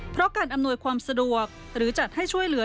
เพราะการอำนวยความสะดวกหรือจัดให้ช่วยเหลือ